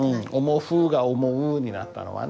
「思ふ」が「思う」になったのはね。